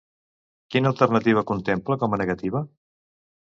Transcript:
Quina alternativa contempla com a negativa?